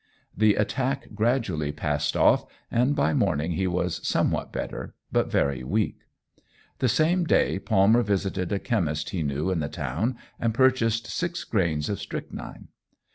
The attack gradually passed off, and by the morning he was somewhat better, but very weak. The same day Palmer visited a chemist he knew in the town, and purchased six grains of strychnine.